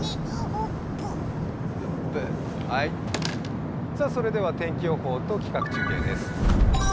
うっぷそれでは天気予報と企画中継です。